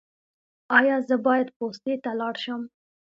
ایا زه باید پوستې ته لاړ شم؟